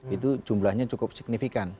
itu jumlahnya cukup sekitar